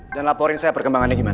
dan laporin saya perkembangannya gimana